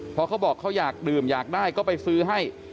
พอเขาบอกเขาอยากดื่มอยากได้ก็ไปซื้อให้